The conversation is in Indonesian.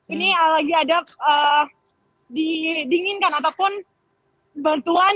ini lagi ada didinginkan ataupun bantuan